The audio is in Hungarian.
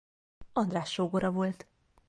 András sógora volt.